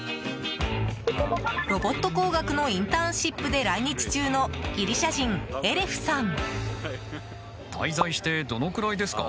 ロボット工学のインターンシップで来日中のギリシャ人、エレフさん。